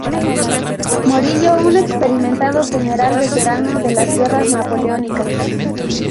Morillo, un experimentado general veterano de las guerras napoleónicas.